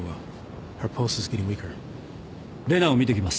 麗奈を見てきます。